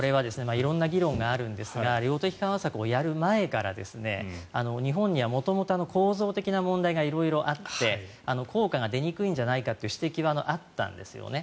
色々な議論があるんですが量的緩和策をやる前から日本には元々構造的な問題が色々あって効果が出にくいんじゃないかという指摘はあったんですよね。